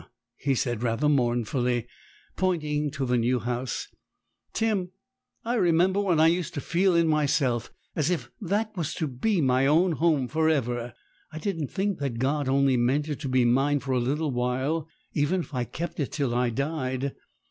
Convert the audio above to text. he said, rather mournfully, pointing to the new house. 'Tim, I remember I used to feel in myself as if that was to be my own home for ever. I didn't think that God only meant it to be mine for a little while, even if I kept it till I died.